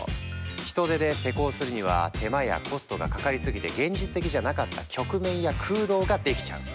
人手で施工するには手間やコストがかかりすぎて現実的じゃなかった曲面や空洞ができちゃう。